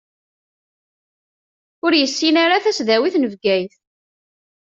Ur yessin ara tasdawit n Bgayet.